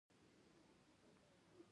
افغانستان په خپلو کلیو باندې پوره تکیه لري.